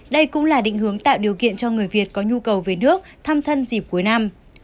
đây cũng là định hướng tạo điều kiện cho người việt có nhu cầu về nước thăm thân dịp cuối năm